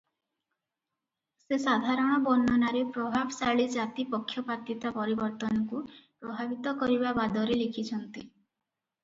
ସେ ସାଧାରଣ ବର୍ଣ୍ଣନାରେ ପ୍ରଭାବଶାଳୀ ଜାତି-ପକ୍ଷପାତିତା ପରିବର୍ତ୍ତନକୁ ପ୍ରଭାବିତ କରିବା ବାଦରେ ଲେଖିଛନ୍ତି ।